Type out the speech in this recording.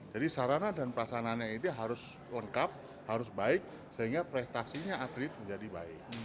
jadi sarana dan prasarannya itu harus lengkap harus baik sehingga prestasinya atlet menjadi baik